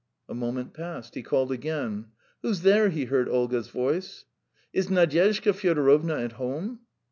A moment passed, he called again. "Who's there?" he heard Olga's voice. "Is Nadyezhda Fyodorovna at home?"